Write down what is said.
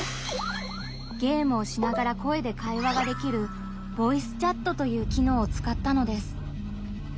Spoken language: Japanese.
ゲームをしながら声で会話ができるボイスチャットという機能をつかったのです。